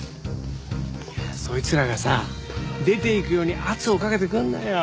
いやそいつらがさ出ていくように圧をかけてくるんだよ。